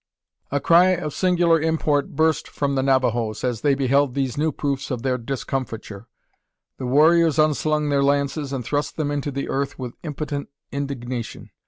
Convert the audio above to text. A cry of singular import burst from the Navajoes as they beheld these new proofs of their discomfiture. The warriors unslung their lances, and thrust them into the earth with impotent indignation.